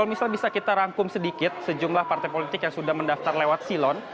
nah budi kalau misalnya kita bisa rangkum sedikit sejumlah partai politik yang sudah mendaftar lewat silon